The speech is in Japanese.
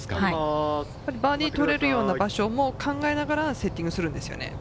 バーディー取れるような場所も考えながらセッティングするんですよね。